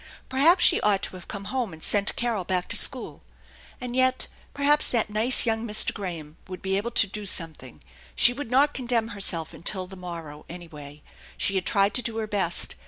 Perhaps she ought to have come home and sent Carol back to school. And yet perhaps that nice young Mr. Graham would be able to do something ; she would not condemn herself until the morrow, anyway. She had tried to do her best.